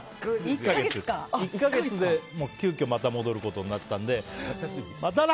１か月で急きょ舞い戻ることになったのでまたな！